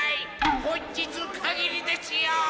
本日かぎりですよ！